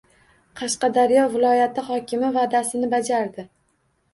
Qashqadaryo viloyati hokimi va’dasini bajardi